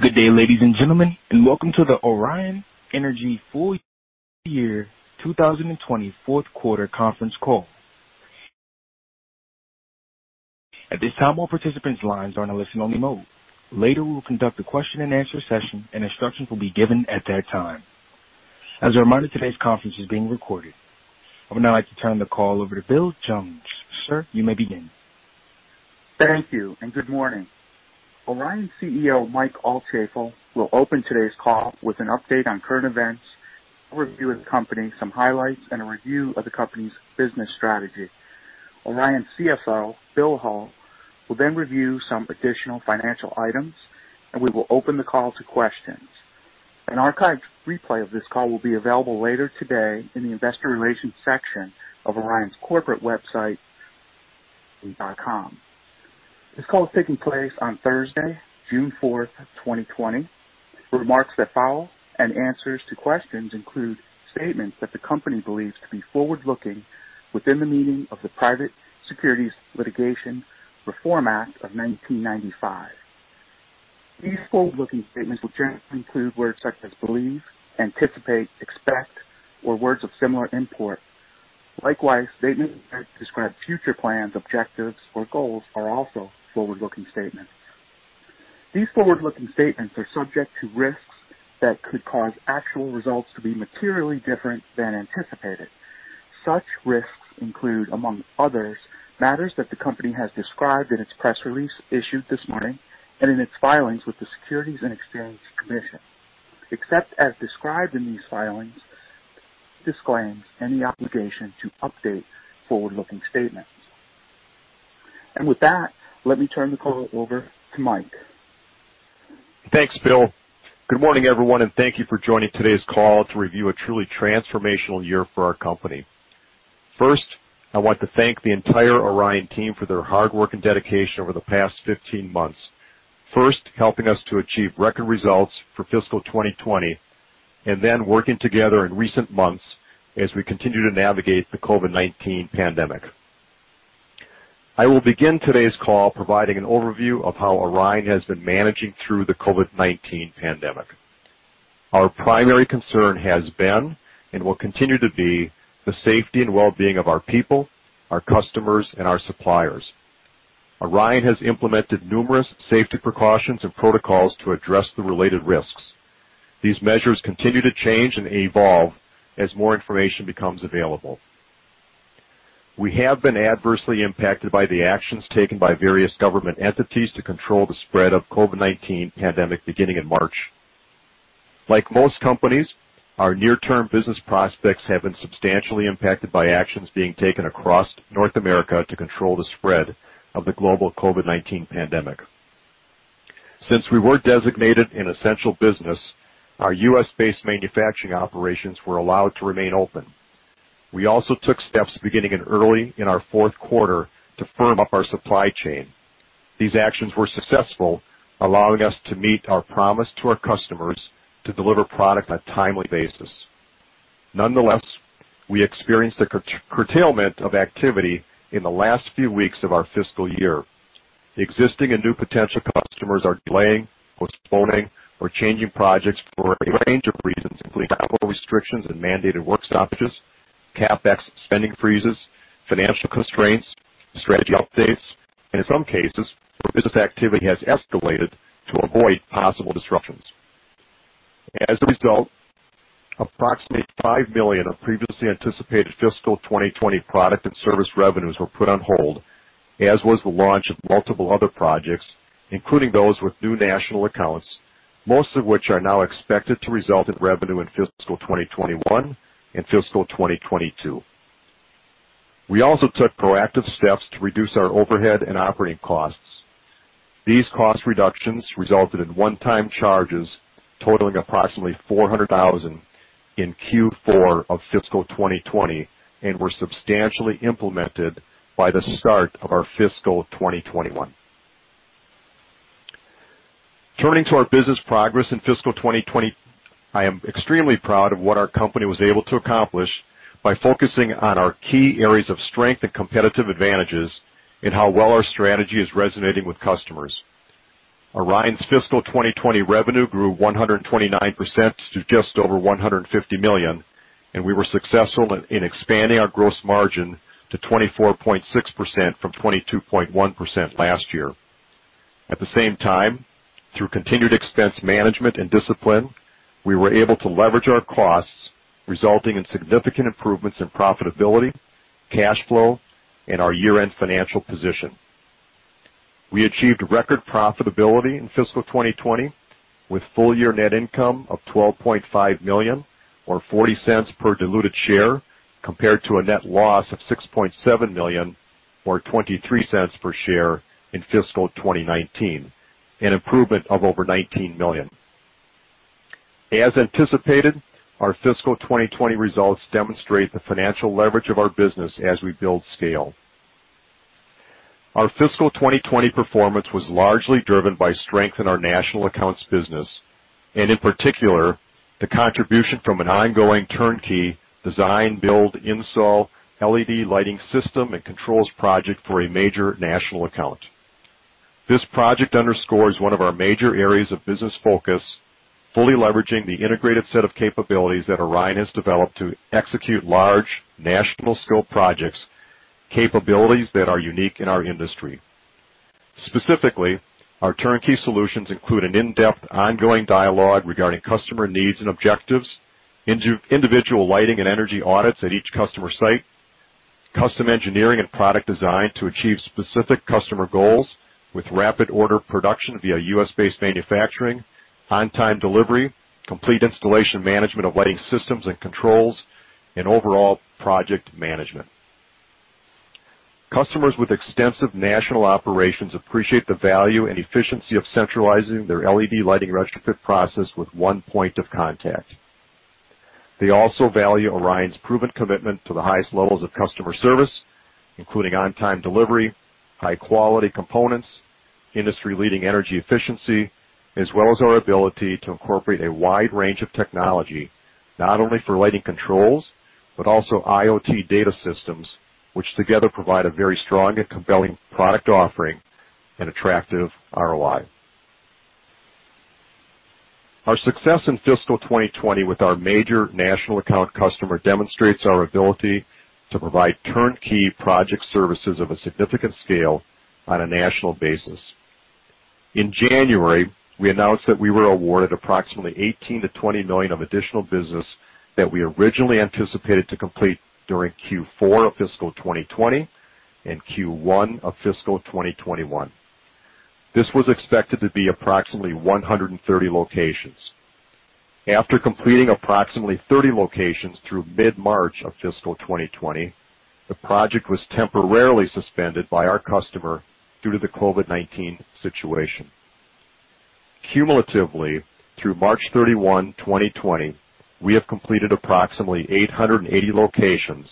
Good day, ladies and gentlemen, and welcome to the Orion Energy Systems Full Year 2020 Fourth Quarter Conference Call. At this time, all participants' lines are in a listen-only mode. Later, we will conduct a question-and-answer session, and instructions will be given at that time. As a reminder, today's conference is being recorded. I would now like to turn the call over to Bill Jones. Sir, you may begin. Thank you, and good morning. Orion CEO Mike Altschaefl will open today's call with an update on current events, a review of the company, some highlights, and a review of the company's business strategy. Orion CFO Bill Hull will then review some additional financial items, and we will open the call to questions. An archived replay of this call will be available later today in the investor relations section of Orion's corporate website, orion.com. This call is taking place on Thursday, June 4th, 2020. The remarks that follow and answers to questions include statements that the company believes to be forward-looking within the meaning of the Private Securities Litigation Reform Act of 1995. These forward-looking statements will generally include words such as believe, anticipate, expect, or words of similar import. Likewise, statements that describe future plans, objectives, or goals are also forward-looking statements. These forward-looking statements are subject to risks that could cause actual results to be materially different than anticipated. Such risks include, among others, matters that the company has described in its press release issued this morning and in its filings with the Securities and Exchange Commission. Except as described in these filings, this disclaims any obligation to update forward-looking statements. With that, let me turn the call over to Mike. Thanks, Bill. Good morning, everyone, and thank you for joining today's call to review a truly transformational year for our company. First, I want to thank the entire Orion team for their hard work and dedication over the past 15 months. First, helping us to achieve record results for fiscal 2020, and then working together in recent months as we continue to navigate the COVID-19 pandemic. I will begin today's call providing an overview of how Orion has been managing through the COVID-19 pandemic. Our primary concern has been, and will continue to be, the safety and well-being of our people, our customers, and our suppliers. Orion has implemented numerous safety precautions and protocols to address the related risks. These measures continue to change and evolve as more information becomes available. We have been adversely impacted by the actions taken by various government entities to control the spread of the COVID-19 pandemic beginning in March. Like most companies, our near-term business prospects have been substantially impacted by actions being taken across North America to control the spread of the global COVID-19 pandemic. Since we were designated an essential business, our U.S.-based manufacturing operations were allowed to remain open. We also took steps beginning early in our fourth quarter to firm up our supply chain. These actions were successful, allowing us to meet our promise to our customers to deliver product on a timely basis. Nonetheless, we experienced a curtailment of activity in the last few weeks of our fiscal year. Existing and new potential customers are delaying, postponing, or changing projects for a range of reasons, including capital restrictions and mandated work structures, CapEx spending freezes, financial constraints, strategy updates, and in some cases, business activity has escalated to avoid possible disruptions. As a result, approximately $5 million of previously anticipated fiscal 2020 product and service revenues were put on hold, as was the launch of multiple other projects, including those with new national accounts, most of which are now expected to result in revenue in fiscal 2021 and fiscal 2022. We also took proactive steps to reduce our overhead and operating costs. These cost reductions resulted in one-time charges totaling approximately $400,000 in Q4 of fiscal 2020 and were substantially implemented by the start of our fiscal 2021. Turning to our business progress in fiscal 2020, I am extremely proud of what our company was able to accomplish by focusing on our key areas of strength and competitive advantages and how well our strategy is resonating with customers. Orion's fiscal 2020 revenue grew 129% to just over $150 million, and we were successful in expanding our gross margin to 24.6% from 22.1% last year. At the same time, through continued expense management and discipline, we were able to leverage our costs, resulting in significant improvements in profitability, cash flow, and our year-end financial position. We achieved record profitability in fiscal 2020 with full-year net income of $12.5 million, or $0.40 per diluted share, compared to a net loss of $6.7 million, or $0.23 per share in fiscal 2019, an improvement of over $19 million. As anticipated, our fiscal 2020 results demonstrate the financial leverage of our business as we build scale. Our fiscal 2020 performance was largely driven by strength in our national accounts business, and in particular, the contribution from an ongoing turnkey design, build, install, LED lighting system, and controls project for a major national account. This project underscores one of our major areas of business focus, fully leveraging the integrated set of capabilities that Orion has developed to execute large national-scale projects, capabilities that are unique in our industry. Specifically, our turnkey solutions include an in-depth ongoing dialogue regarding customer needs and objectives, individual lighting and energy audits at each customer site, custom engineering and product design to achieve specific customer goals with rapid order production via U.S.-based manufacturing, on-time delivery, complete installation management of lighting systems and controls, and overall project management. Customers with extensive national operations appreciate the value and efficiency of centralizing their LED lighting retrofit process with one point of contact. They also value Orion's proven commitment to the highest levels of customer service, including on-time delivery, high-quality components, industry-leading energy efficiency, as well as our ability to incorporate a wide range of technology, not only for lighting controls, but also IoT data systems, which together provide a very strong and compelling product offering and attractive ROI. Our success in fiscal 2020 with our major national account customer demonstrates our ability to provide turnkey project services of a significant scale on a national basis. In January, we announced that we were awarded approximately $18 million-$20 million of additional business that we originally anticipated to complete during Q4 of fiscal 2020 and Q1 of fiscal 2021. This was expected to be approximately 130 locations. After completing approximately 30 locations through mid-March of fiscal 2020, the project was temporarily suspended by our customer due to the COVID-19 situation. Cumulatively, through March 31, 2020, we have completed approximately 880 locations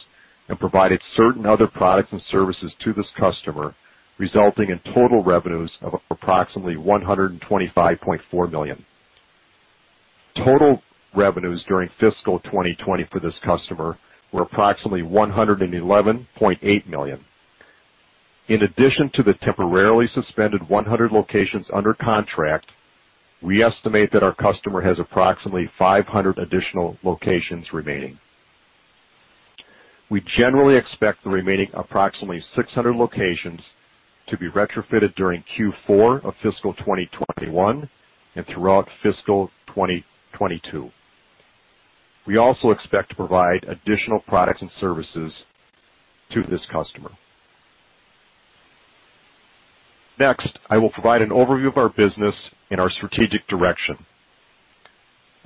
and provided certain other products and services to this customer, resulting in total revenues of approximately $125.4 million. Total revenues during fiscal 2020 for this customer were approximately $111.8 million. In addition to the temporarily suspended 100 locations under contract, we estimate that our customer has approximately 500 additional locations remaining. We generally expect the remaining approximately 600 locations to be retrofitted during Q4 of fiscal 2021 and throughout fiscal 2022. We also expect to provide additional products and services to this customer. Next, I will provide an overview of our business and our strategic direction.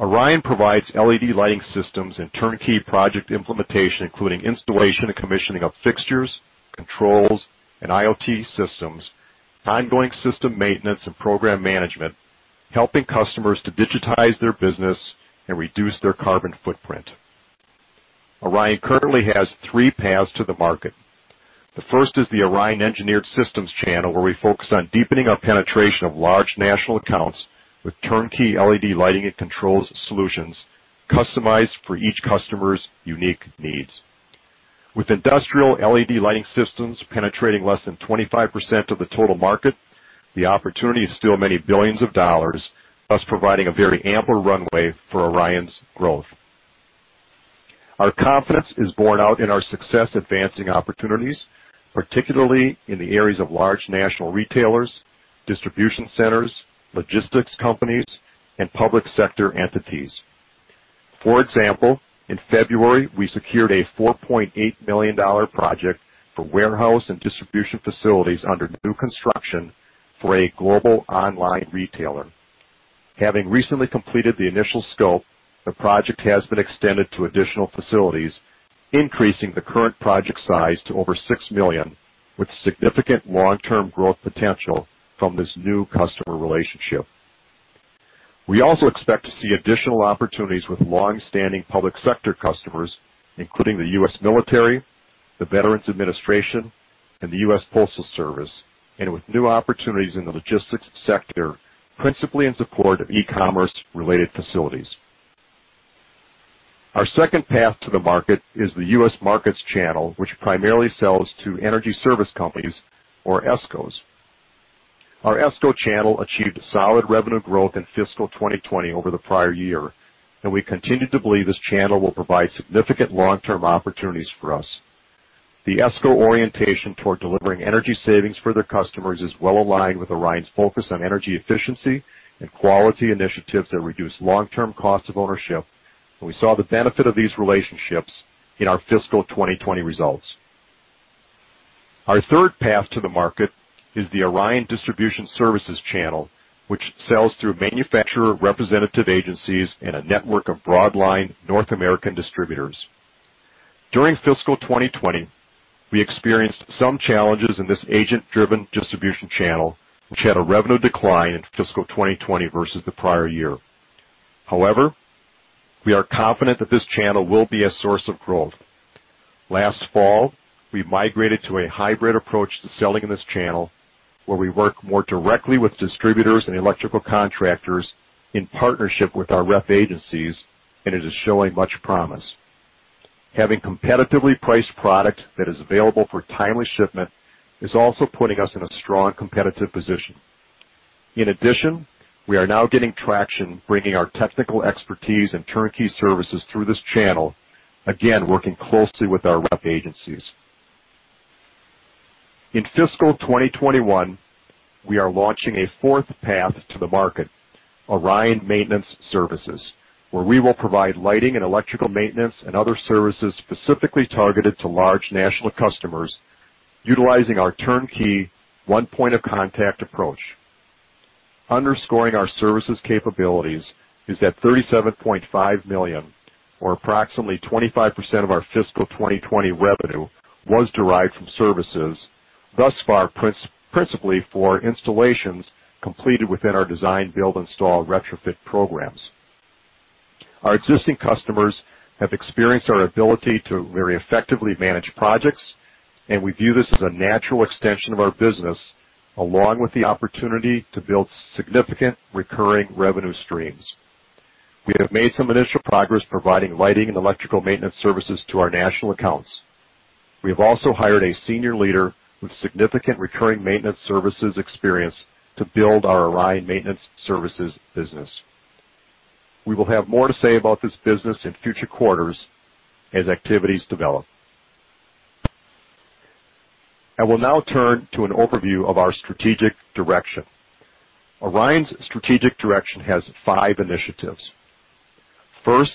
Orion provides LED lighting systems and turnkey project implementation, including installation and commissioning of fixtures, controls, and IoT systems, ongoing system maintenance, and program management, helping customers to digitize their business and reduce their carbon footprint. Orion currently has three paths to the market. The first is the Orion Engineered Systems Channel, where we focus on deepening our penetration of large national accounts with turnkey LED lighting and controls solutions customized for each customer's unique needs. With industrial LED lighting systems penetrating less than 25% of the total market, the opportunity is still many billions of dollars, thus providing a very ample runway for Orion's growth. Our confidence is borne out in our success advancing opportunities, particularly in the areas of large national retailers, distribution centers, logistics companies, and public sector entities. For example, in February, we secured a $4.8 million project for warehouse and distribution facilities under new construction for a global online retailer. Having recently completed the initial scope, the project has been extended to additional facilities, increasing the current project size to over $6 million, with significant long-term growth potential from this new customer relationship. We also expect to see additional opportunities with long-standing public sector customers, including the U.S. military, the Veterans Administration, and the U.S. Postal Service, and with new opportunities in the logistics sector, principally in support of e-commerce-related facilities. Our second path to the market is the U.S. Markets Channel, which primarily sells to Energy Service Companies, or ESCOs. Our ESCO channel achieved solid revenue growth in fiscal 2020 over the prior year, and we continue to believe this channel will provide significant long-term opportunities for us. The ESCO orientation toward delivering energy savings for their customers is well aligned with Orion's focus on energy efficiency and quality initiatives that reduce long-term cost of ownership, and we saw the benefit of these relationships in our fiscal 2020 results. Our third path to the market is the Orion Distribution Services Channel, which sells through manufacturer representative agencies and a network of broadline North American distributors. During fiscal 2020, we experienced some challenges in this agent-driven distribution channel, which had a revenue decline in fiscal 2020 versus the prior year. However, we are confident that this channel will be a source of growth. Last fall, we migrated to a hybrid approach to selling in this channel, where we work more directly with distributors and electrical contractors in partnership with our rep agencies, and it is showing much promise. Having competitively priced product that is available for timely shipment is also putting us in a strong competitive position. In addition, we are now getting traction, bringing our technical expertise and turnkey services through this channel, again working closely with our rep agencies. In fiscal 2021, we are launching a fourth path to the market, Orion Maintenance Services, where we will provide lighting and electrical maintenance and other services specifically targeted to large national customers, utilizing our turnkey one-point of contact approach. Underscoring our services capabilities is that $37.5 million, or approximately 25% of our fiscal 2020 revenue, was derived from services, thus far principally for installations completed within our design, build, install, retrofit programs. Our existing customers have experienced our ability to very effectively manage projects, and we view this as a natural extension of our business, along with the opportunity to build significant recurring revenue streams. We have made some initial progress providing lighting and electrical maintenance services to our national accounts. We have also hired a senior leader with significant recurring maintenance services experience to build our Orion Maintenance Services business. We will have more to say about this business in future quarters as activities develop. I will now turn to an overview of our strategic direction. Orion's strategic direction has five initiatives. First,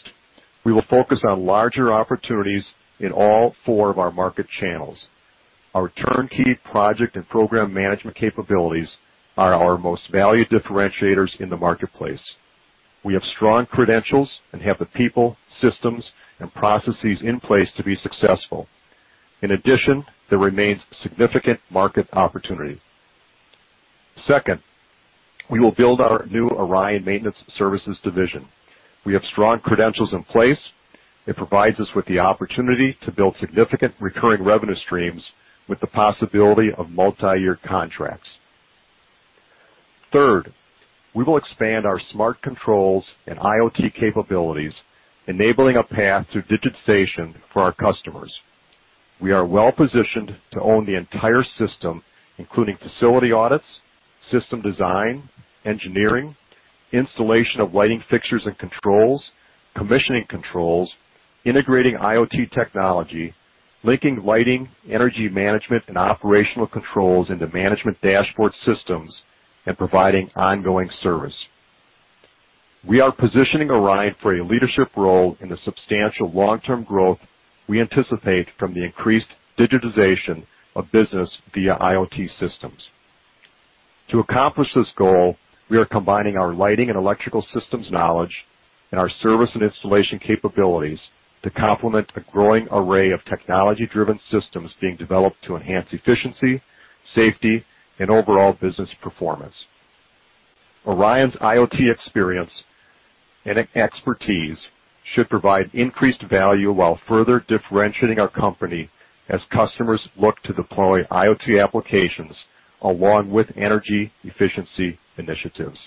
we will focus on larger opportunities in all four of our market channels. Our turnkey project and program management capabilities are our most valued differentiators in the marketplace. We have strong credentials and have the people, systems, and processes in place to be successful. In addition, there remains significant market opportunity. Second, we will build our new Orion Maintenance Services division. We have strong credentials in place. It provides us with the opportunity to build significant recurring revenue streams with the possibility of multi-year contracts. Third, we will expand our smart controls and IoT capabilities, enabling a path to digitization for our customers. We are well positioned to own the entire system, including facility audits, system design, engineering, installation of lighting fixtures and controls, commissioning controls, integrating IoT technology, linking lighting, energy management, and operational controls into management dashboard systems, and providing ongoing service. We are positioning Orion for a leadership role in the substantial long-term growth we anticipate from the increased digitization of business via IoT systems. To accomplish this goal, we are combining our lighting and electrical systems knowledge and our service and installation capabilities to complement a growing array of technology-driven systems being developed to enhance efficiency, safety, and overall business performance. Orion's IoT experience and expertise should provide increased value while further differentiating our company as customers look to deploy IoT applications along with energy efficiency initiatives.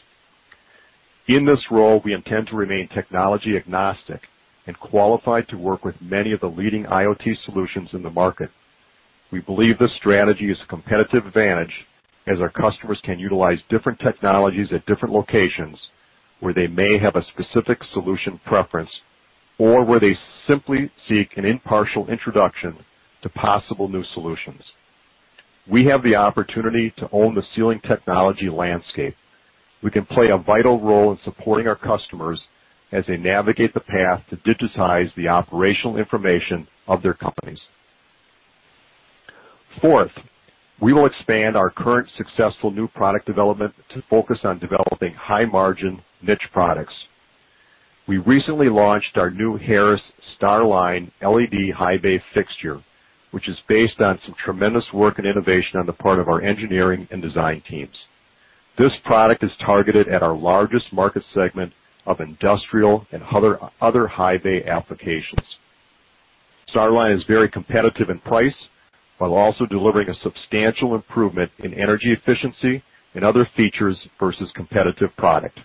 In this role, we intend to remain technology agnostic and qualified to work with many of the leading IoT solutions in the market. We believe this strategy is a competitive advantage as our customers can utilize different technologies at different locations where they may have a specific solution preference or where they simply seek an impartial introduction to possible new solutions. We have the opportunity to own the ceiling technology landscape. We can play a vital role in supporting our customers as they navigate the path to digitize the operational information of their companies. Fourth, we will expand our current successful new product development to focus on developing high-margin niche products. We recently launched our new Harris Star Line LED High Bay fixture, which is based on some tremendous work and innovation on the part of our engineering and design teams. This product is targeted at our largest market segment of industrial and other high bay applications. Star Line is very competitive in price while also delivering a substantial improvement in energy efficiency and other features versus competitive product.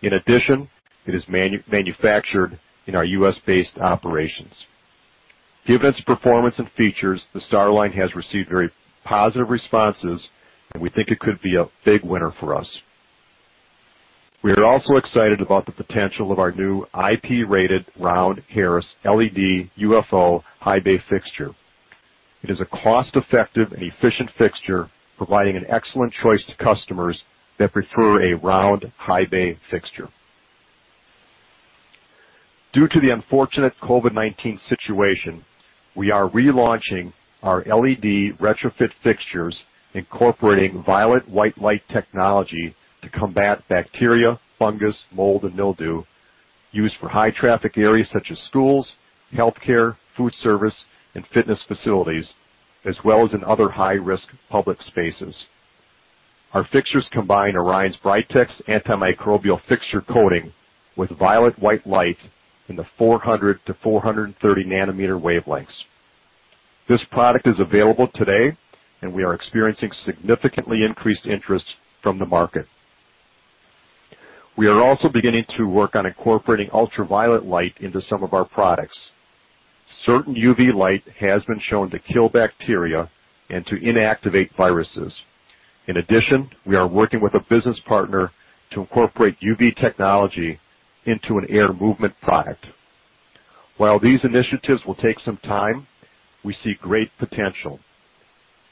In addition, it is manufactured in our U.S.-based operations. Given its performance and features, the Star Line has received very positive responses, and we think it could be a big winner for us. We are also excited about the potential of our new IP-rated round Harris LED UFO high bay fixture. It is a cost-effective and efficient fixture, providing an excellent choice to customers that prefer a round high bay fixture. Due to the unfortunate COVID-19 situation, we are relaunching our LED retrofit fixtures, incorporating violet-white light technology to combat bacteria, fungus, mold, and mildew used for high-traffic areas such as schools, healthcare, food service, and fitness facilities, as well as in other high-risk public spaces. Our fixtures combine Orion's Britex antimicrobial fixture coating with violet-white light in the 400 nanometer-430 nanometer wavelengths. This product is available today, and we are experiencing significantly increased interest from the market. We are also beginning to work on incorporating ultraviolet light into some of our products. Certain UV light has been shown to kill bacteria and to inactivate viruses. In addition, we are working with a business partner to incorporate UV technology into an air movement product. While these initiatives will take some time, we see great potential.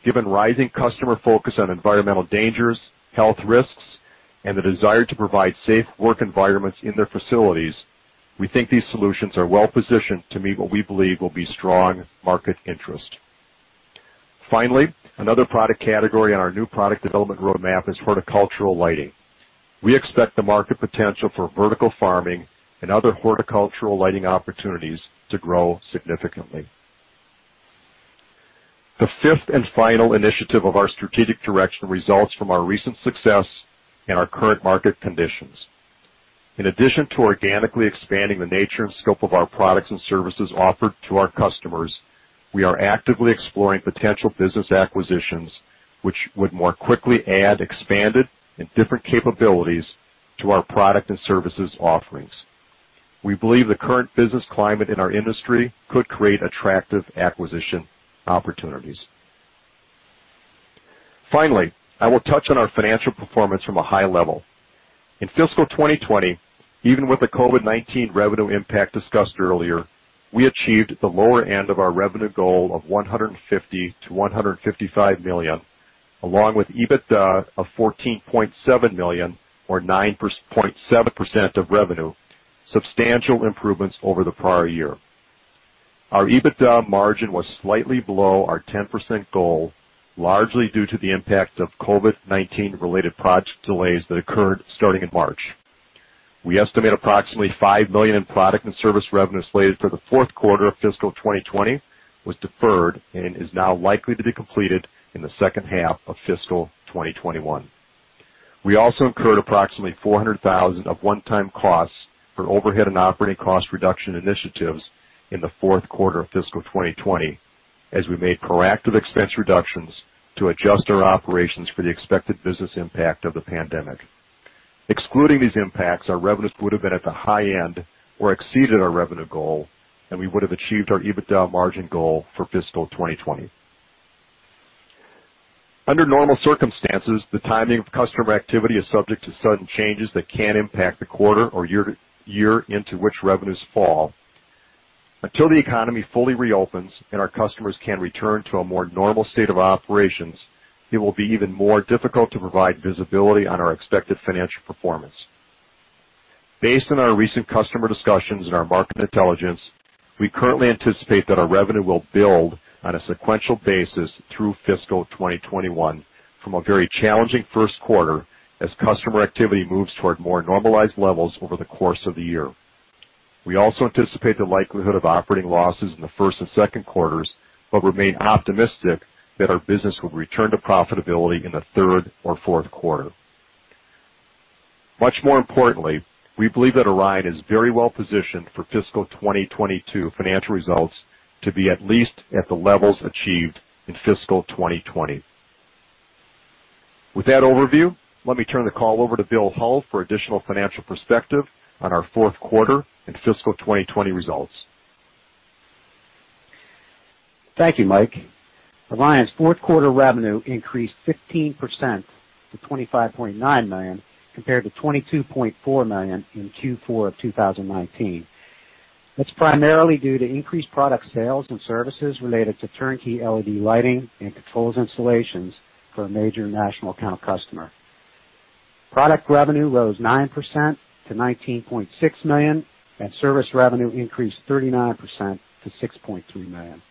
Given rising customer focus on environmental dangers, health risks, and the desire to provide safe work environments in their facilities, we think these solutions are well positioned to meet what we believe will be strong market interest. Finally, another product category on our new product development roadmap is horticultural lighting. We expect the market potential for vertical farming and other horticultural lighting opportunities to grow significantly. The fifth and final initiative of our strategic direction results from our recent success and our current market conditions. In addition to organically expanding the nature and scope of our products and services offered to our customers, we are actively exploring potential business acquisitions, which would more quickly add expanded and different capabilities to our product and services offerings. We believe the current business climate in our industry could create attractive acquisition opportunities. Finally, I will touch on our financial performance from a high level. In fiscal 2020, even with the COVID-19 revenue impact discussed earlier, we achieved the lower end of our revenue goal of $150 million-$155 million, along with EBITDA of $14.7 million, or 9.7% of revenue, substantial improvements over the prior year. Our EBITDA margin was slightly below our 10% goal, largely due to the impact of COVID-19-related project delays that occurred starting in March. We estimate approximately $5 million in product and service revenues slated for the fourth quarter of fiscal 2020 was deferred and is now likely to be completed in the second half of fiscal 2021. We also incurred approximately $400,000 of one-time costs for overhead and operating cost reduction initiatives in the fourth quarter of fiscal 2020, as we made proactive expense reductions to adjust our operations for the expected business impact of the pandemic. Excluding these impacts, our revenues would have been at the high end or exceeded our revenue goal, and we would have achieved our EBITDA margin goal for fiscal 2020. Under normal circumstances, the timing of customer activity is subject to sudden changes that can impact the quarter or year into which revenues fall. Until the economy fully reopens and our customers can return to a more normal state of operations, it will be even more difficult to provide visibility on our expected financial performance. Based on our recent customer discussions and our market intelligence, we currently anticipate that our revenue will build on a sequential basis through fiscal 2021 from a very challenging first quarter as customer activity moves toward more normalized levels over the course of the year. We also anticipate the likelihood of operating losses in the first and second quarters, but remain optimistic that our business will return to profitability in the third or fourth quarter. Much more importantly, we believe that Orion is very well positioned for fiscal 2022 financial results to be at least at the levels achieved in fiscal 2020. With that overview, let me turn the call over to Bill Hull for additional financial perspective on our fourth quarter and fiscal 2020 results. Thank you, Mike. Orion's fourth quarter revenue increased 15% to $25.9 million compared to $22.4 million in Q4 of 2019. That's primarily due to increased product sales and services related to turnkey LED lighting and controls installations for a major national account customer. Product revenue rose 9% to $19.6 million, and service revenue increased 39% to $6.3 million.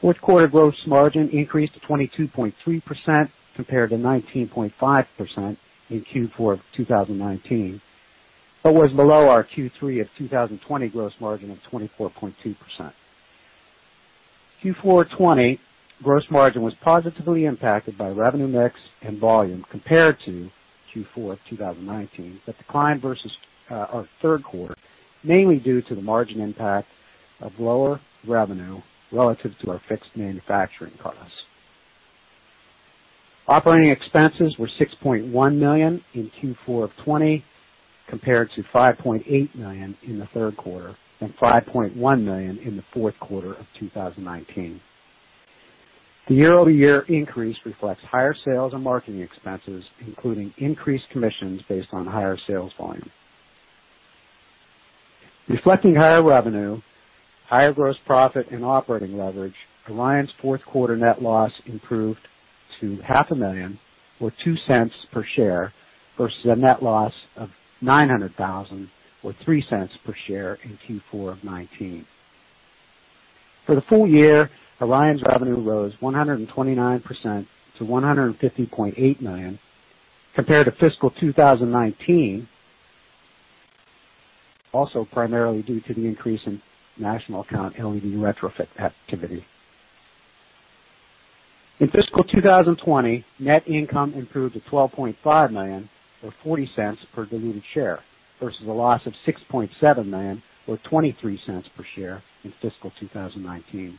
Fourth quarter gross margin increased to 22.3% compared to 19.5% in Q4 of 2019, but was below our Q3 of 2020 gross margin of 24.2%. Q4 2020 gross margin was positively impacted by revenue mix and volume compared to Q4 of 2019, but declined versus our third quarter, mainly due to the margin impact of lower revenue relative to our fixed manufacturing costs. Operating expenses were $6.1 million in Q4 of 2020 compared to $5.8 million in the third quarter and $5.1 million in the fourth quarter of 2019. The year-over-year increase reflects higher sales and marketing expenses, including increased commissions based on higher sales volume. Reflecting higher revenue, higher gross profit, and operating leverage, Orion's fourth quarter net loss improved to $500,000, or $0.02 per share, versus a net loss of $900,000, or $0.03 per share in Q4 of 2019. For the full year, Orion's revenue rose 129% to $150.8 million compared to fiscal 2019, also primarily due to the increase in national account LED retrofit activity. In fiscal 2020, net income improved to $12.5 million, or $0.40 per diluted share, versus a loss of $6.7 million, or $0.23 per share in fiscal 2019.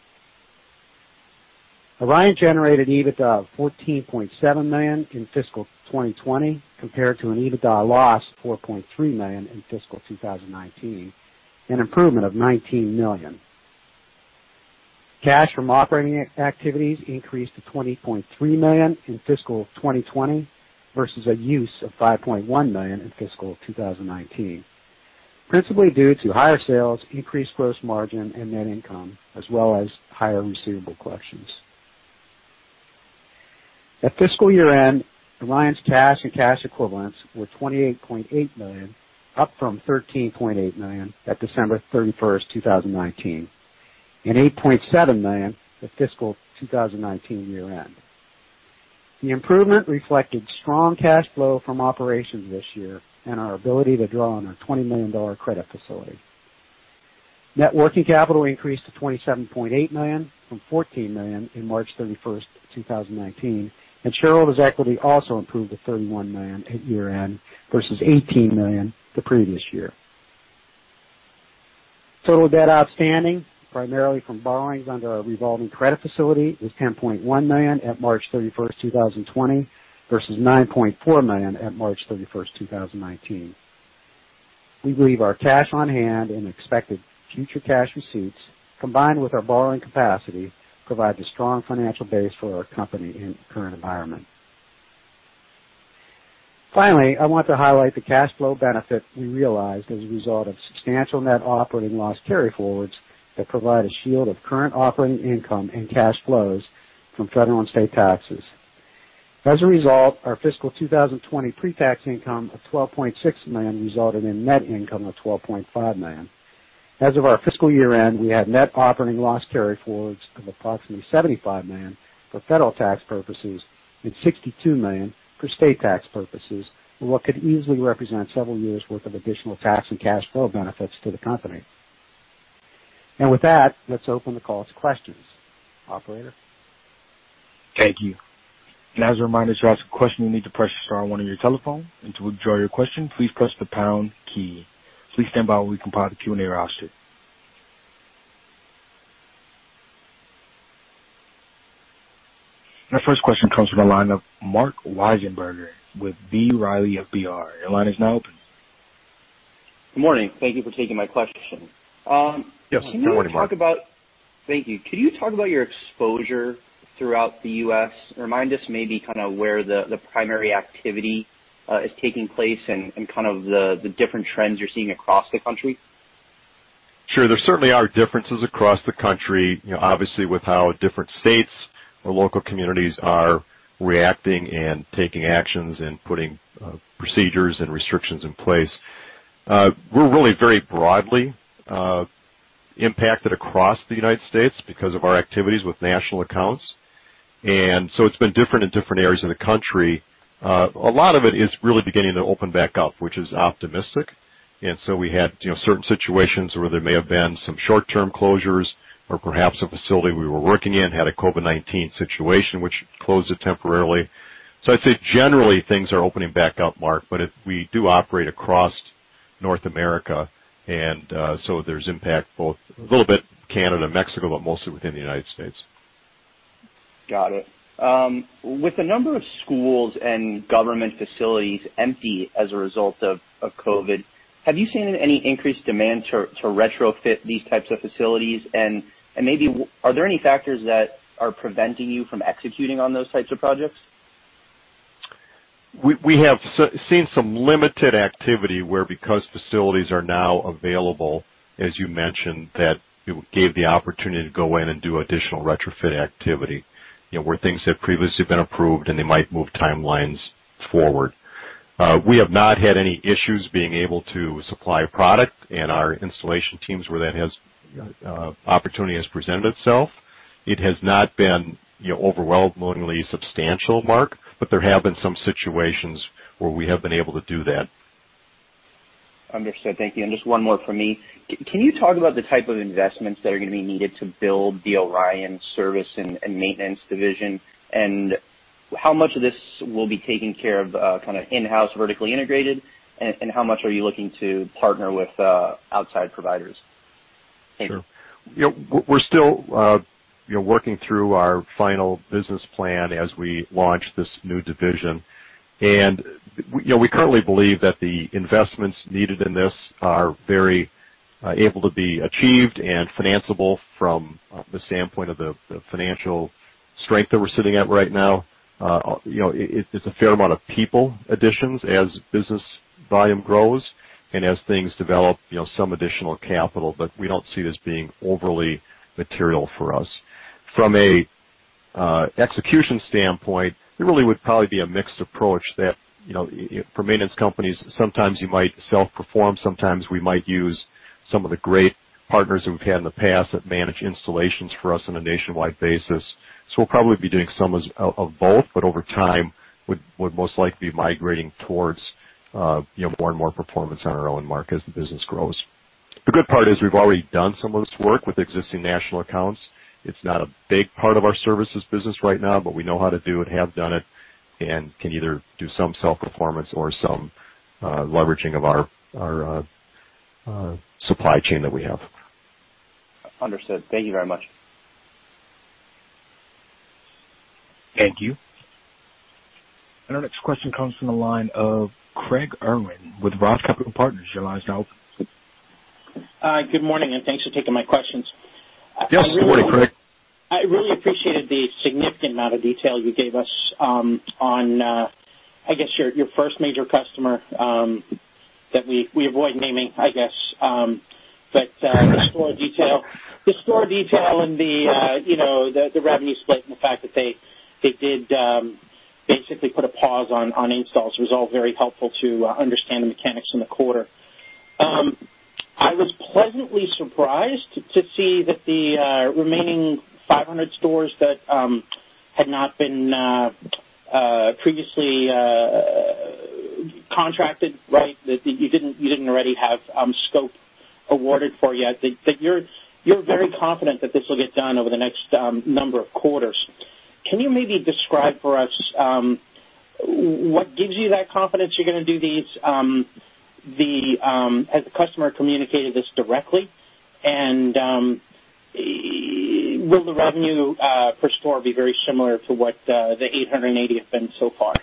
Orion generated EBITDA of $14.7 million in fiscal 2020 compared to an EBITDA loss of $4.3 million in fiscal 2019, an improvement of $19 million. Cash from operating activities increased to $20.3 million in fiscal 2020 versus a use of $5.1 million in fiscal 2019, principally due to higher sales, increased gross margin, and net income, as well as higher receivable collections. At fiscal year-end, Orion's cash and cash equivalents were $28.8 million, up from $13.8 million at December 31, 2019, and $8.7 million at fiscal 2019 year-end. The improvement reflected strong cash flow from operations this year and our ability to draw on our $20 million credit facility. Net working capital increased to $27.8 million from $14 million at March 31st, 2019, and shareholders' equity also improved to $31 million at year-end versus $18 million the previous year. Total debt outstanding, primarily from borrowings under our revolving credit facility, was $10.1 million at March 31st, 2020, versus $9.4 million at March 31st, 2019. We believe our cash on hand and expected future cash receipts, combined with our borrowing capacity, provide a strong financial base for our company and current environment. Finally, I want to highlight the cash flow benefit we realized as a result of substantial net operating loss carryforwards that provide a shield of current operating income and cash flows from federal and state taxes. As a result, our fiscal 2020 pre-tax income of $12.6 million resulted in net income of $12.5 million. As of our fiscal year-end, we had net operating loss carryforwards of approximately $75 million for federal tax purposes and $62 million for state tax purposes, what could easily represent several years' worth of additional tax and cash flow benefits to the company. With that, let's open the call to questions. Operator. Thank you. As a reminder, if you have some questions, you need to press star one on your telephone. To withdraw your question, please press the pound key. Please stand by while we compile the Q&A roster. Our first question comes from the line of Marc Wiesenberger with B. Riley FBR. Your line is now open. Good morning. Thank you for taking my question. Yes. Good morning, Marc. Can you talk about—thank you. Could you talk about your exposure throughout the U.S.? Remind us maybe kind of where the primary activity is taking place and kind of the different trends you're seeing across the country. Sure. There certainly are differences across the country, obviously, with how different states or local communities are reacting and taking actions and putting procedures and restrictions in place. We're really very broadly impacted across the United States because of our activities with national accounts. It has been different in different areas of the country. A lot of it is really beginning to open back up, which is optimistic. We had certain situations where there may have been some short-term closures or perhaps a facility we were working in had a COVID-19 situation which closed it temporarily. I'd say generally things are opening back up, Marc, but we do operate across North America. There is impact both a little bit in Canada, Mexico, but mostly within the United States. Got it. With the number of schools and government facilities empty as a result of COVID, have you seen any increased demand to retrofit these types of facilities? Maybe, are there any factors that are preventing you from executing on those types of projects? We have seen some limited activity where, because facilities are now available, as you mentioned, that it gave the opportunity to go in and do additional retrofit activity where things have previously been approved and they might move timelines forward. We have not had any issues being able to supply product and our installation teams where that opportunity has presented itself. It has not been overwhelmingly substantial, Marc, but there have been some situations where we have been able to do that. Understood. Thank you. Just one more from me. Can you talk about the type of investments that are going to be needed to build the Orion service and maintenance division? How much of this will be taken care of kind of in-house, vertically integrated? How much are you looking to partner with outside providers? Sure. We're still working through our final business plan as we launch this new division. We currently believe that the investments needed in this are very able to be achieved and financeable from the standpoint of the financial strength that we're sitting at right now. It's a fair amount of people additions as business volume grows and as things develop some additional capital, but we don't see this being overly material for us. From an execution standpoint, it really would probably be a mixed approach that for maintenance companies, sometimes you might self-perform, sometimes we might use some of the great partners that we've had in the past that manage installations for us on a nationwide basis. We'll probably be doing some of both, but over time would most likely be migrating towards more and more performance on our own, Marc, as the business grows. The good part is we've already done some of this work with existing national accounts. It's not a big part of our services business right now, but we know how to do it, have done it, and can either do some self-performance or some leveraging of our supply chain that we have. Understood. Thank you very much. Thank you. Our next question comes from the line of Craig Irwin with Roth Capital Partners, your line is now open. Good morning and thanks for taking my questions. Yes. Good morning, Craig. I really appreciated the significant amount of detail you gave us on, I guess, your first major customer that we avoid naming, I guess, but the store detail and the revenue split and the fact that they did basically put a pause on installs was all very helpful to understand the mechanics in the quarter. I was pleasantly surprised to see that the remaining 500 stores that had not been previously contracted, right, that you did not already have scope awarded for yet, that you are very confident that this will get done over the next number of quarters. Can you maybe describe for us what gives you that confidence you are going to do these? Has the customer communicated this directly? Will the revenue per store be very similar to what the 880 have been so far?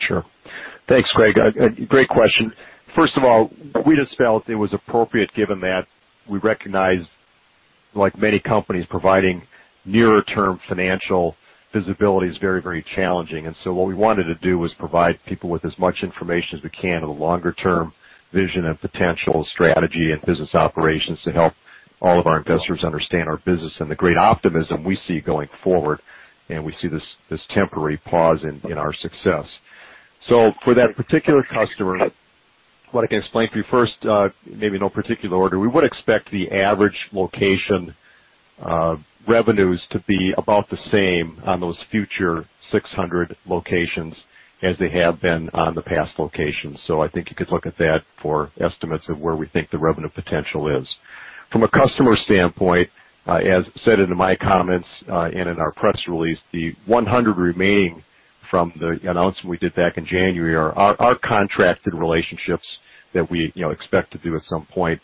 Sure. Thanks, Craig. Great question. First of all, we did not spell if it was appropriate given that we recognized, like many companies, providing nearer-term financial visibility is very, very challenging. What we wanted to do was provide people with as much information as we can on the longer-term vision and potential strategy and business operations to help all of our investors understand our business and the great optimism we see going forward. We see this temporary pause in our success. For that particular customer, what I can explain to you first, maybe in no particular order, we would expect the average location revenues to be about the same on those future 600 locations as they have been on the past locations. I think you could look at that for estimates of where we think the revenue potential is. From a customer standpoint, as said in my comments and in our press release, the 100 remaining from the announcement we did back in January are our contracted relationships that we expect to do at some point.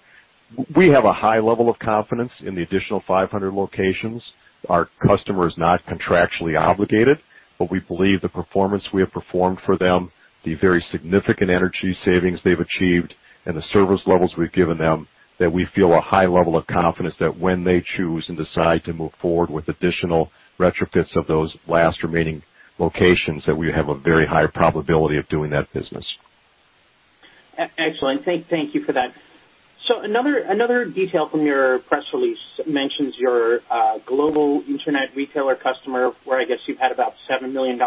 We have a high level of confidence in the additional 500 locations. Our customer is not contractually obligated, but we believe the performance we have performed for them, the very significant energy savings they've achieved, and the service levels we've given them that we feel a high level of confidence that when they choose and decide to move forward with additional retrofits of those last remaining locations, that we have a very high probability of doing that business. Excellent. Thank you for that. Another detail from your press release mentions your global internet retailer customer where I guess you've had about $7 million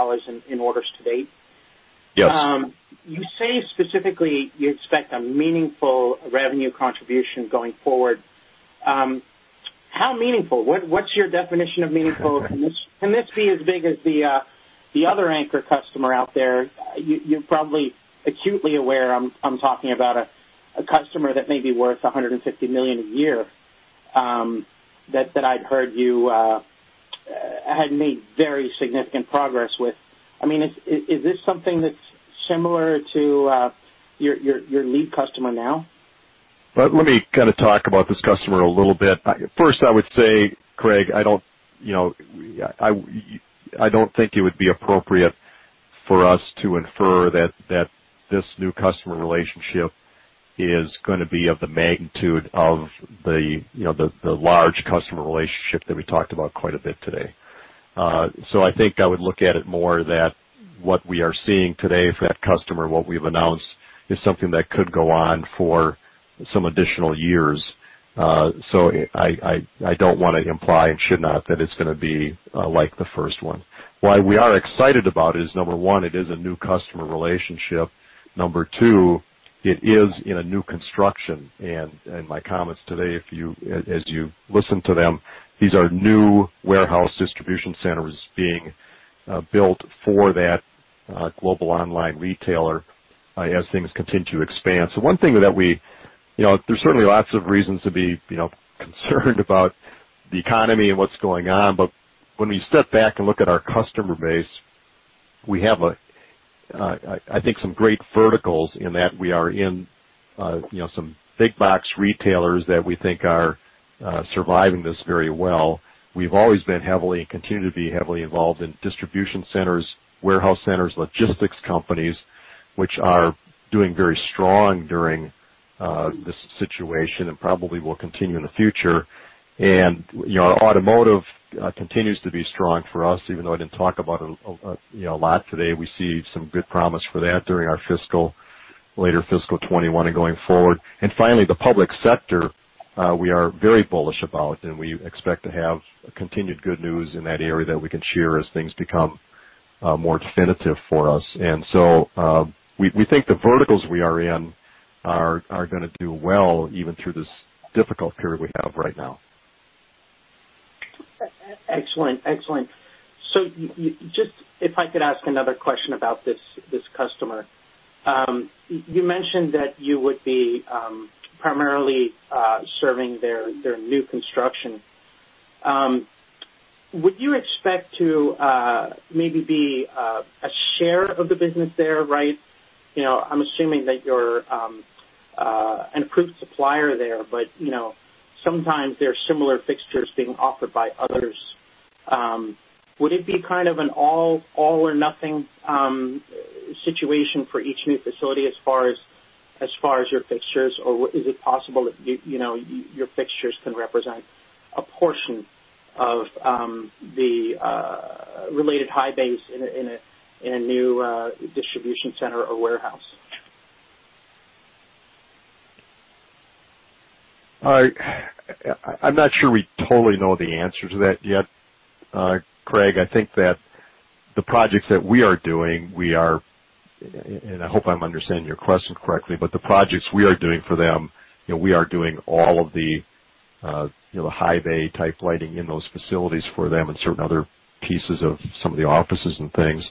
in orders to date. Yes. You say specifically you expect a meaningful revenue contribution going forward. How meaningful? What's your definition of meaningful? Can this be as big as the other anchor customer out there? You're probably acutely aware I'm talking about a customer that may be worth $150 million a year that I'd heard you had made very significant progress with. I mean, is this something that's similar to your lead customer now? Let me kind of talk about this customer a little bit. First, I would say, Craig, I don't think it would be appropriate for us to infer that this new customer relationship is going to be of the magnitude of the large customer relationship that we talked about quite a bit today. I think I would look at it more that what we are seeing today for that customer, what we've announced, is something that could go on for some additional years. I don't want to imply and should not that it's going to be like the first one. Why we are excited about it is, number one, it is a new customer relationship. Number two, it is in a new construction. In my comments today, as you listen to them, these are new warehouse distribution centers being built for that global online retailer as things continue to expand. One thing that we—there are certainly lots of reasons to be concerned about the economy and what's going on. When we step back and look at our customer base, we have, I think, some great verticals in that we are in some big box retailers that we think are surviving this very well. We've always been heavily and continue to be heavily involved in distribution centers, warehouse centers, logistics companies, which are doing very strong during this situation and probably will continue in the future. Our automotive continues to be strong for us, even though I didn't talk about it a lot today. We see some good promise for that during our later fiscal 2021 and going forward. Finally, the public sector, we are very bullish about, and we expect to have continued good news in that area that we can share as things become more definitive for us. We think the verticals we are in are going to do well even through this difficult period we have right now. Excellent. Excellent. If I could ask another question about this customer. You mentioned that you would be primarily serving their new construction. Would you expect to maybe be a share of the business there, right? I'm assuming that you're an approved supplier there, but sometimes there are similar fixtures being offered by others. Would it be kind of an all-or-nothing situation for each new facility as far as your fixtures? Or is it possible that your fixtures can represent a portion of the related high bays in a new distribution center or warehouse? I'm not sure we totally know the answer to that yet, Craig. I think that the projects that we are doing, we are—and I hope I'm understanding your question correctly—but the projects we are doing for them, we are doing all of the high bay type lighting in those facilities for them and certain other pieces of some of the offices and things.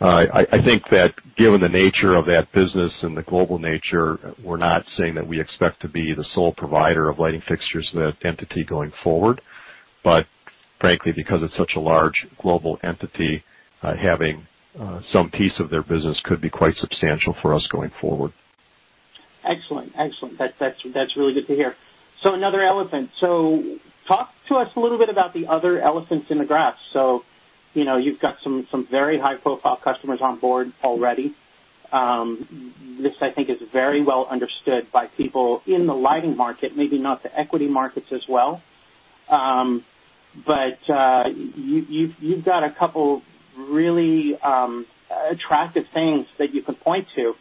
I think that given the nature of that business and the global nature, we're not saying that we expect to be the sole provider of lighting fixtures to that entity going forward. Frankly, because it's such a large global entity, having some piece of their business could be quite substantial for us going forward. Excellent. Excellent. That's really good to hear. Another elephant. Talk to us a little bit about the other elephants in the grass. You've got some very high-profile customers on board already. This, I think, is very well understood by people in the lighting market, maybe not the equity markets as well. You've got a couple of really attractive things that you can point to.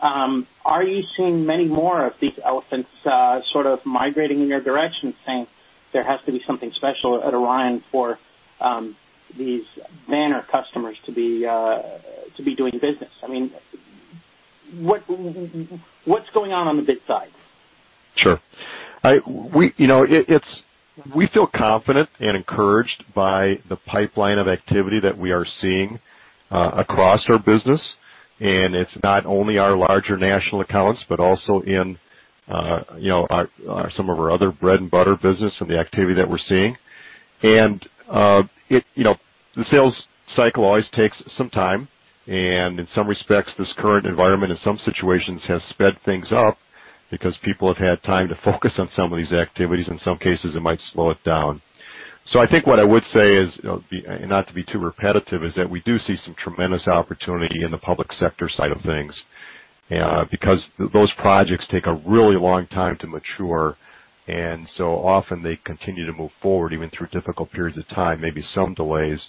Are you seeing many more of these elephants sort of migrating in your direction, saying there has to be something special at Orion for these banner customers to be doing business? I mean, what's going on on the bid side? Sure. We feel confident and encouraged by the pipeline of activity that we are seeing across our business. It is not only our larger national accounts, but also in some of our other bread-and-butter business and the activity that we are seeing. The sales cycle always takes some time. In some respects, this current environment in some situations has sped things up because people have had time to focus on some of these activities. In some cases, it might slow it down. I think what I would say is, and not to be too repetitive, we do see some tremendous opportunity in the public sector side of things because those projects take a really long time to mature. They often continue to move forward even through difficult periods of time, maybe some delays.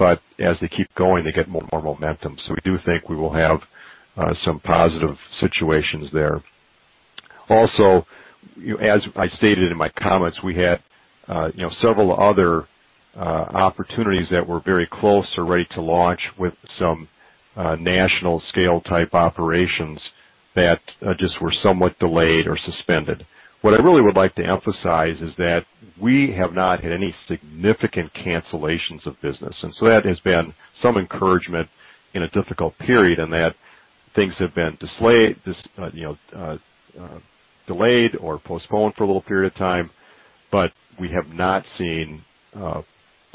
As they keep going, they get more momentum. We do think we will have some positive situations there. Also, as I stated in my comments, we had several other opportunities that were very close or ready to launch with some national scale type operations that just were somewhat delayed or suspended. What I really would like to emphasize is that we have not had any significant cancellations of business. That has been some encouragement in a difficult period in that things have been delayed or postponed for a little period of time, but we have not seen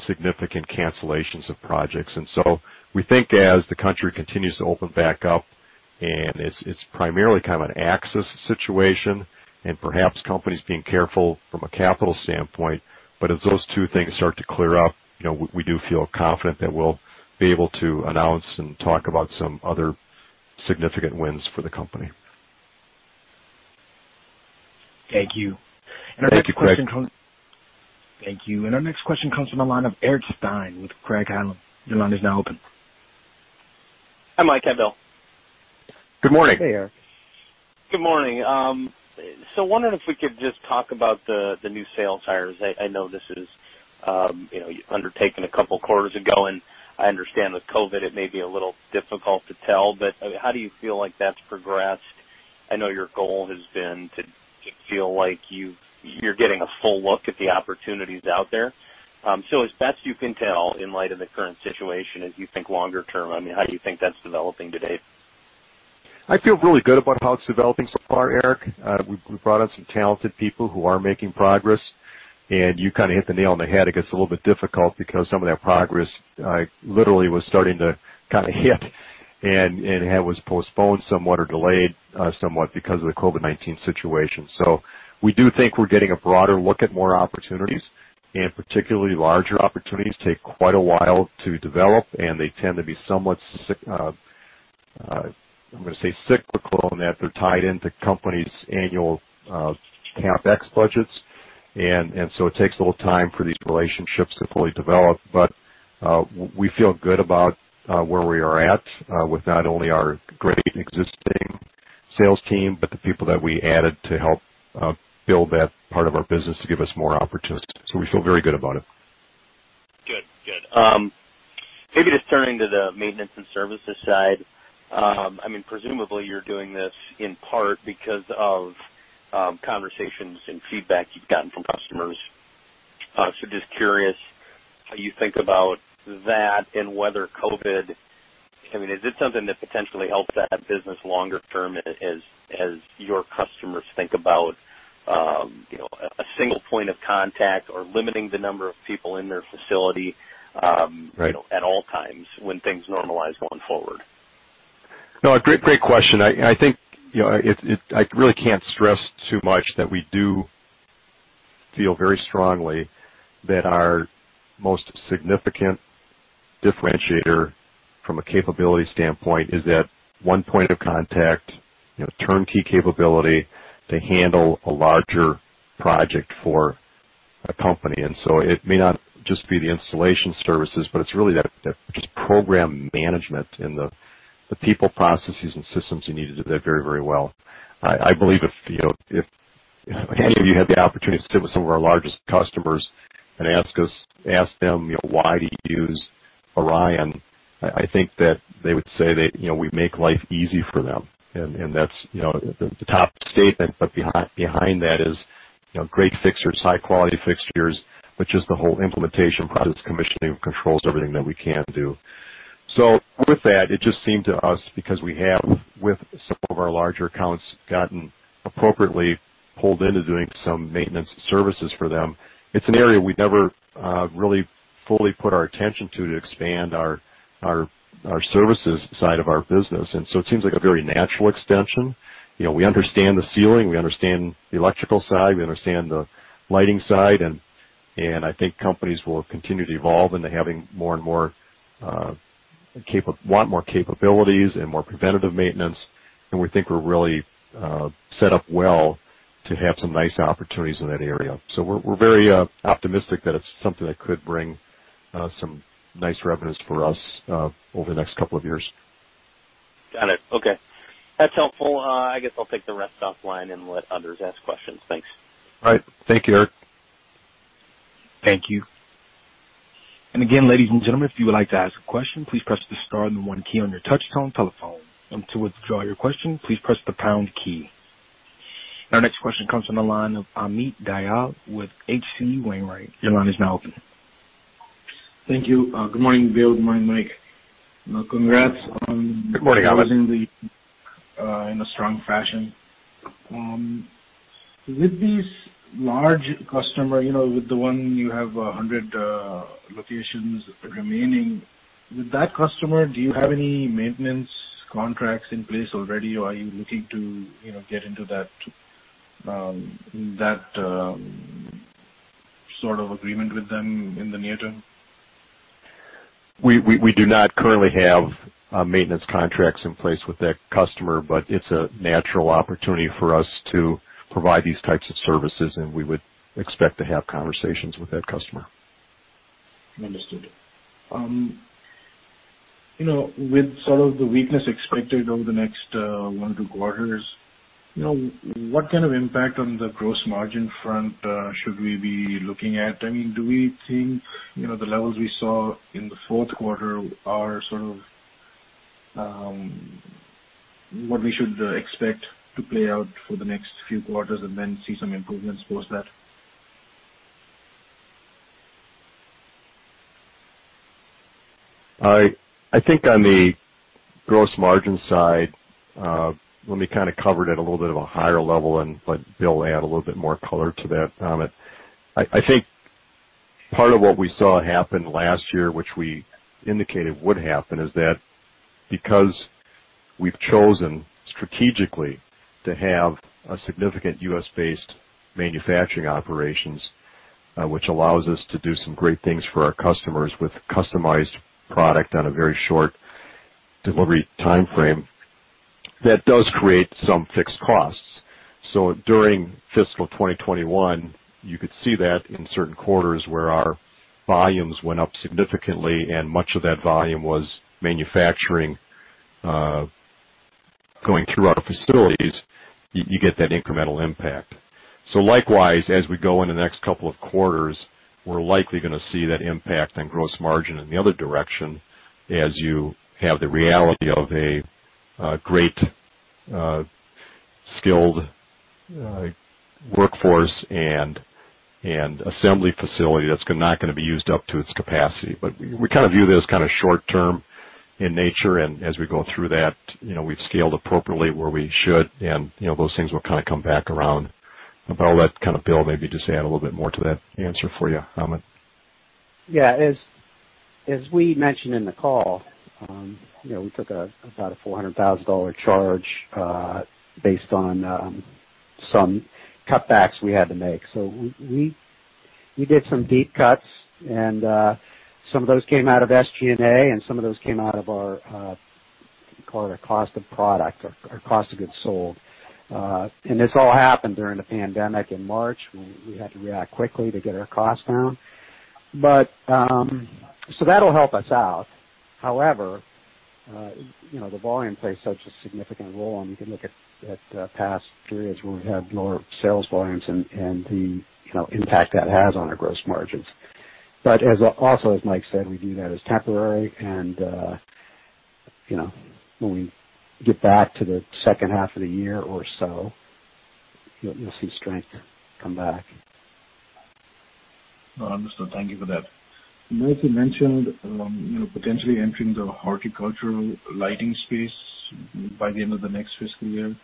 significant cancellations of projects. We think as the country continues to open back up, and it is primarily kind of an access situation and perhaps companies being careful from a capital standpoint. As those two things start to clear up, we do feel confident that we'll be able to announce and talk about some other significant wins for the company. Thank you. Thank you, Craig. Thank you. Our next question comes from the line of Eric Stine with Craig-Hallum. Your line is now open. Hi Mike. Hi Bill. Good morning. Hey, Eric. Good morning. Wondering if we could just talk about the new sales hires. I know this is undertaken a couple of quarters ago. I understand with COVID, it may be a little difficult to tell, but how do you feel like that's progressed? I know your goal has been to feel like you're getting a full look at the opportunities out there. As best you can tell in light of the current situation, as you think longer term, I mean, how do you think that's developing today? I feel really good about how it's developing so far, Eric. We brought in some talented people who are making progress. You kind of hit the nail on the head. It gets a little bit difficult because some of that progress literally was starting to kind of hit and was postponed somewhat or delayed somewhat because of the COVID-19 situation. We do think we're getting a broader look at more opportunities. Particularly larger opportunities take quite a while to develop, and they tend to be somewhat, I'm going to say, cyclical in that they're tied into companies' annual CapEx budgets. It takes a little time for these relationships to fully develop. We feel good about where we are at with not only our great existing sales team, but the people that we added to help build that part of our business to give us more opportunity. We feel very good about it. Good. Good. Maybe just turning to the maintenance and services side. I mean, presumably you're doing this in part because of conversations and feedback you've gotten from customers. So just curious how you think about that and whether COVID, I mean, is it something that potentially helps that business longer term as your customers think about a single point of contact or limiting the number of people in their facility at all times when things normalize going forward? No, great question. I think I really can't stress too much that we do feel very strongly that our most significant differentiator from a capability standpoint is that one point of contact, turnkey capability to handle a larger project for a company. It may not just be the installation services, but it's really that just program management and the people, processes, and systems you need to do that very, very well. I believe if any of you had the opportunity to sit with some of our largest customers and ask them why do you use Orion, I think that they would say that we make life easy for them. That is the top statement. Behind that is great fixtures, high-quality fixtures, but just the whole implementation process, commissioning, controls, everything that we can do. With that, it just seemed to us, because we have with some of our larger accounts gotten appropriately pulled into doing some maintenance services for them, it's an area we've never really fully put our attention to to expand our services side of our business. It seems like a very natural extension. We understand the ceiling. We understand the electrical side. We understand the lighting side. I think companies will continue to evolve into having more and more want more capabilities and more preventative maintenance. We think we're really set up well to have some nice opportunities in that area. We're very optimistic that it's something that could bring some nice revenues for us over the next couple of years. Got it. Okay. That's helpful. I guess I'll take the rest offline and let others ask questions. Thanks. All right. Thank you, Eric. Thank you. Again, ladies and gentlemen, if you would like to ask a question, please press the star and the one key on your touch-tone telephone. To withdraw your question, please press the pound key. Our next question comes from the line of Amit Dayal with H.C. Wainwright. Your line is now open. Thank you. Good morning, Bill. Good morning, Mike. Congrats on. Good morning, Amit. In a strong fashion. With these large customers, with the one you have 100 locations remaining, with that customer, do you have any maintenance contracts in place already, or are you looking to get into that sort of agreement with them in the near term? We do not currently have maintenance contracts in place with that customer, but it's a natural opportunity for us to provide these types of services, and we would expect to have conversations with that customer. Understood. With sort of the weakness expected over the next one or two quarters, what kind of impact on the gross margin front should we be looking at? I mean, do we think the levels we saw in the fourth quarter are sort of what we should expect to play out for the next few quarters and then see some improvements post that? I think on the gross margin side, let me kind of cover that a little bit at a higher level and let Bill add a little bit more color to that comment. I think part of what we saw happen last year, which we indicated would happen, is that because we've chosen strategically to have significant U.S.-based manufacturing operations, which allows us to do some great things for our customers with customized product on a very short delivery timeframe, that does create some fixed costs. During fiscal 2021, you could see that in certain quarters where our volumes went up significantly, and much of that volume was manufacturing going through our facilities, you get that incremental impact. Likewise, as we go into the next couple of quarters, we're likely going to see that impact on gross margin in the other direction as you have the reality of a great skilled workforce and assembly facility that's not going to be used up to its capacity. We kind of view that as kind of short-term in nature. As we go through that, we've scaled appropriately where we should, and those things will kind of come back around. About all that, Bill, maybe just add a little bit more to that answer for you, Amit. Yeah. As we mentioned in the call, we took about a $400,000 charge based on some cutbacks we had to make. We did some deep cuts, and some of those came out of SG&A, and some of those came out of our cost of product or cost of goods sold. This all happened during the pandemic in March when we had to react quickly to get our costs down. That will help us out. However, the volume plays such a significant role, and you can look at past periods where we've had lower sales volumes and the impact that has on our gross margins. Also, as Mike said, we view that as temporary. When we get back to the second half of the year or so, you'll see strength come back. Understood. Thank you for that. Mike mentioned potentially entering the horticultural lighting space by the end of the next fiscal year.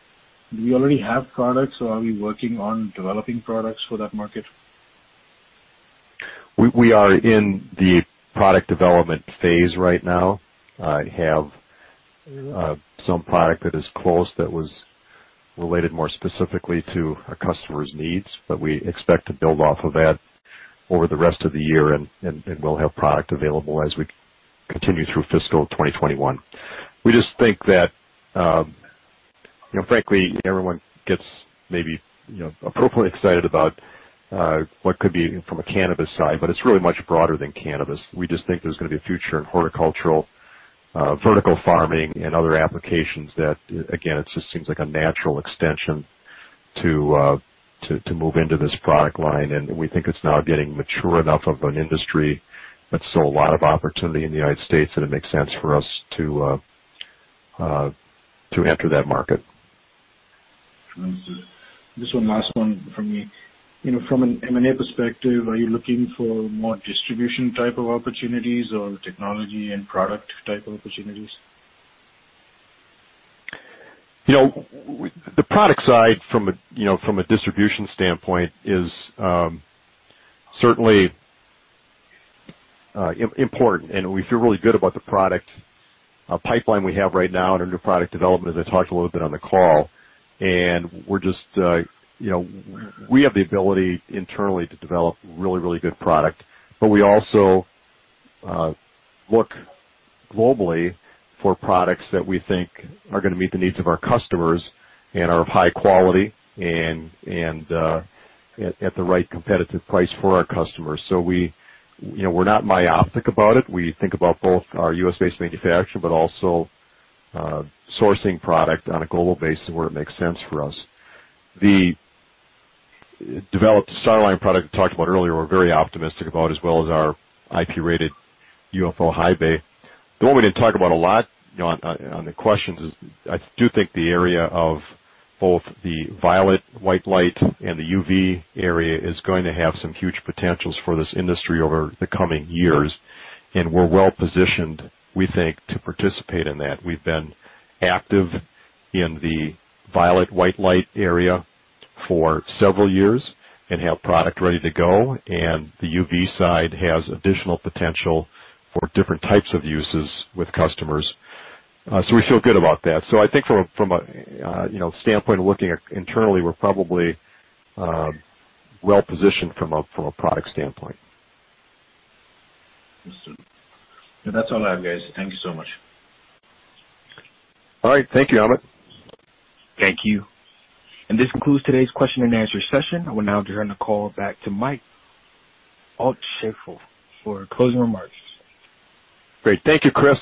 Do we already have products, or are we working on developing products for that market? We are in the product development phase right now. I have some product that is close that was related more specifically to our customer's needs, but we expect to build off of that over the rest of the year, and we'll have product available as we continue through fiscal 2021. We just think that, frankly, everyone gets maybe appropriately excited about what could be from a cannabis side, but it's really much broader than cannabis. We just think there's going to be a future in horticultural vertical farming and other applications that, again, it just seems like a natural extension to move into this product line. We think it's now getting mature enough of an industry that's still a lot of opportunity in the United States, and it makes sense for us to enter that market. Understood. Just one last one from me. From an M&A perspective, are you looking for more distribution type of opportunities or technology and product type of opportunities? The product side from a distribution standpoint is certainly important. We feel really good about the product pipeline we have right now and our new product development, as I talked a little bit on the call. We have the ability internally to develop really, really good product, but we also look globally for products that we think are going to meet the needs of our customers and are of high quality and at the right competitive price for our customers. We are not myopic about it. We think about both our U.S.-based manufacturing, but also sourcing product on a global basis where it makes sense for us. The developed Star Line product we talked about earlier, we are very optimistic about, as well as our IP-rated UFO high bay. The one we did not talk about a lot on the questions is I do think the area of both the violet-white light and the UV area is going to have some huge potentials for this industry over the coming years. We are well positioned, we think, to participate in that. We have been active in the violet-white light area for several years and have product ready to go. The UV side has additional potential for different types of uses with customers. We feel good about that. I think from a standpoint of looking internally, we are probably well positioned from a product standpoint. Understood. That's all I have, guys. Thank you so much. All right. Thank you, Amit. Thank you. This concludes today's question and answer session. I will now turn the call back to Mike Altschaefl for closing remarks. Great. Thank you, Chris.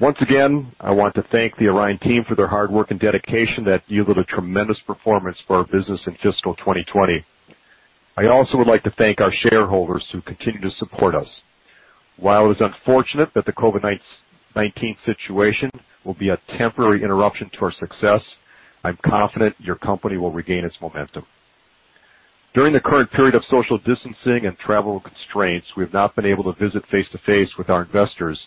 Once again, I want to thank the Orion team for their hard work and dedication that yielded a tremendous performance for our business in fiscal 2020. I also would like to thank our shareholders who continue to support us. While it is unfortunate that the COVID-19 situation will be a temporary interruption to our success, I'm confident your company will regain its momentum. During the current period of social distancing and travel constraints, we have not been able to visit face-to-face with our investors.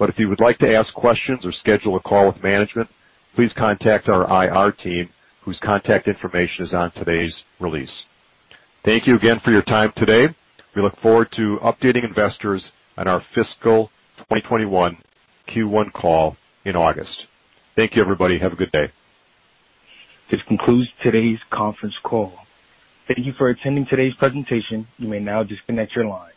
If you would like to ask questions or schedule a call with management, please contact our IR team, whose contact information is on today's release. Thank you again for your time today. We look forward to updating investors on our fiscal 2021 Q1 call in August. Thank you, everybody. Have a good day. This concludes today's conference call. Thank you for attending today's presentation. You may now disconnect your lines.